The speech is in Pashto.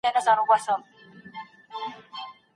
نوي تجربې مو د ژوند باور لوړوي.